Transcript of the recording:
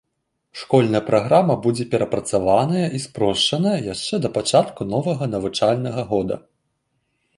Школьная праграма будзе перапрацаваная і спрошчаная яшчэ да пачатку новага навучальнага года.